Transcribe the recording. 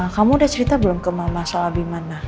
kamu udah cerita belum ke mama soal bimana